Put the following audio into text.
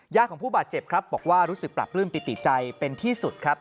ของผู้บาดเจ็บครับบอกว่ารู้สึกปรับปลื้มปิติใจเป็นที่สุดครับ